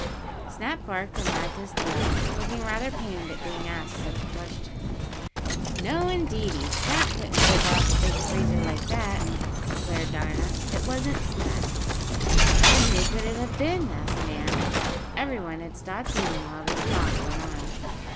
Snap barked and wagged his tail, looking rather pained at being asked such a question. "No, indeedy, Snap couldn't take off a big freezer like dat," declared Dinah. "It wasn't Snap." "Then who could it have been?" asked Nan. Everyone had stopped eating while this talk went on.